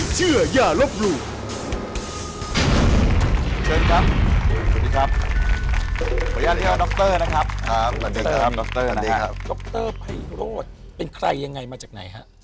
เชิญครับสวัสดีครับขออนุญาตดรนะครับครับดรนะครับดรไพโรธเป็นใครยังไงมาจากไหนฮะ